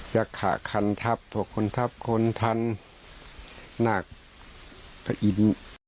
ยักษะคันทัพตัวคนทัพคนทันหน้าก็อิ่ม